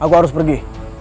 aku harus pergi